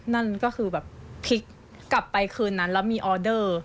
นั่นก็คือแบบพลิกกลับไปคืนนั้นแล้วมีออเดอร์